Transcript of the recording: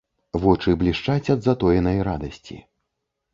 Вочы блішчаць ад затоенай радасці.